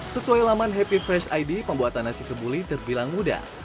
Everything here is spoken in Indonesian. sesuai laman happy fresh id pembuatan nasi kebuli terbilang mudah